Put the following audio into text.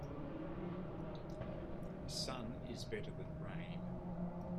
Sun is better than rain.